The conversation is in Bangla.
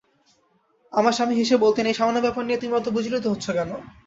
আমার স্বামী হেসে বলতেন, এই সামান্য ব্যাপার নিয়ে তুমি অত বিচলিত হচ্ছ কেন?